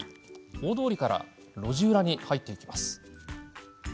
大通りから路地裏に入っていきます。